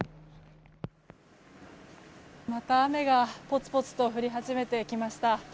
また雨がぽつぽつと降り始めてきました。